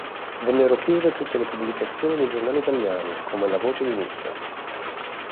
Vennero chiuse tutte le pubblicazioni dei giornali italiani, come "La Voce di Nizza".